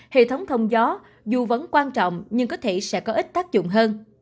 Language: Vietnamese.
hệ thống thông gió dù vẫn quan trọng nhưng có thể sẽ có ít tác dụng hơn